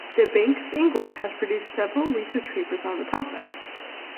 The Bank of England has produced several research papers on the topic.